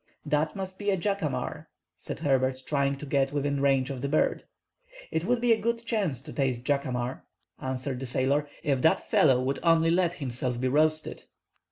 "That must be a jacamar," said Herbert, trying to get within range of the bird. "It would be a good chance to taste jacamar," answered the sailor, "if that fellow would only let himself be roasted."